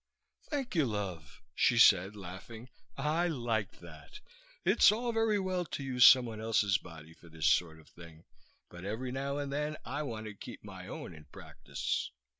"Thank you, love," she said, laughing. "I liked that. It's all very well to use someone else's body for this sort of thing, but every now and then I want to keep my own in practice."